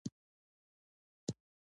نکاح کول د مُحَمَّد ﷺ سنت دی.